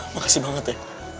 makasih banget ya